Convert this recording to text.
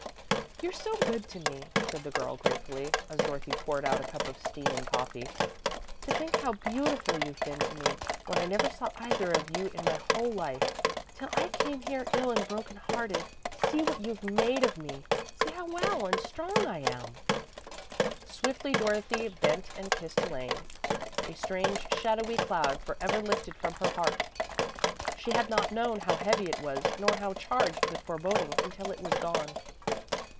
"You're so good to me," said the girl, gratefully, as Dorothy poured out a cup of steaming coffee. "To think how beautiful you've been to me, when I never saw either one of you in my whole life, till I came here ill and broken hearted! See what you've made of me see how well and strong I am!" Swiftly, Dorothy bent and kissed Elaine, a strange, shadowy cloud for ever lifted from her heart. She had not known how heavy it was nor how charged with foreboding, until it was gone.